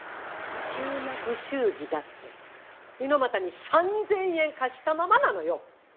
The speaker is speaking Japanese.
急な不祝儀だって猪俣に３，０００円貸したままなのよ。